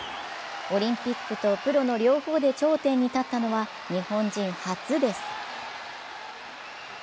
オリンピックとプロの両方で頂点に立ったのは日本人初です。